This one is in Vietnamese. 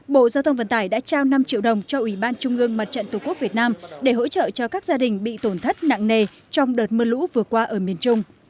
bộ giao thông vận tải đã trao năm triệu đồng cho ubnd tổ quốc việt nam để hỗ trợ cho các gia đình bị tổn thất nặng nề trong đợt mưa lũ vừa qua ở miền trung